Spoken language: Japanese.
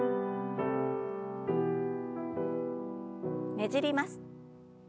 ねじります。